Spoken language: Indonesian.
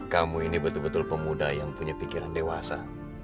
kamu ini betul betul pemuda yang punya pikiran dewasa